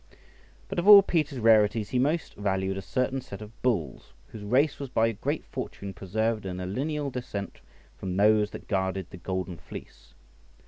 But of all Peter's rarities, he most valued a certain set of bulls, whose race was by great fortune preserved in a lineal descent from those that guarded the golden fleece.